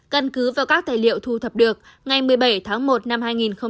căn cứ vào các tài liệu thu thập được ngày một mươi bảy tháng một năm hai nghìn một mươi sáu